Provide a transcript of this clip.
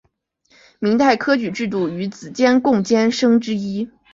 明代科举制度中国子监贡监生之一。